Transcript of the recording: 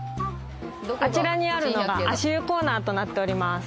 あちらにあるのが足湯コーナーとなっております。